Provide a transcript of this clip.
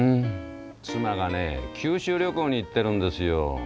妻がね九州旅行に行ってるんですよ。